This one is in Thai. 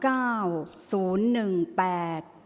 ออกรางวัลที่๖เลขที่๗